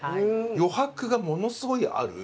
余白がものすごいある。